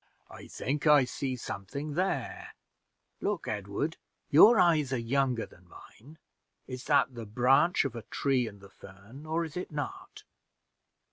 "I think I see something there look Edward, your eyes are younger than mine. Is that the branch of a tree in the fern, or is it not?"